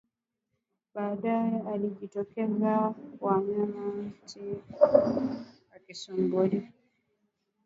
baadae alijitokeza kutawanya umati uliokuwa ukimsubiri